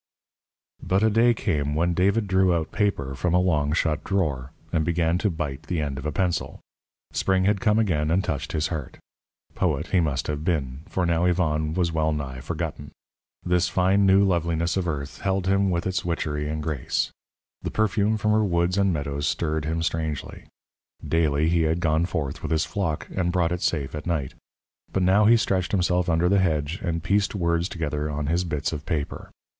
But a day came when David drew out paper from a long shut drawer, and began to bite the end of a pencil. Spring had come again and touched his heart. Poet he must have been, for now Yvonne was well nigh forgotten. This fine new loveliness of earth held him with its witchery and grace. The perfume from her woods and meadows stirred him strangely. Daily had he gone forth with his flock, and brought it safe at night. But now he stretched himself under the hedge and pieced words together on his bits of paper.